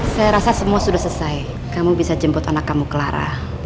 saya rasa semua sudah selesai kamu bisa jemput anak kamu clara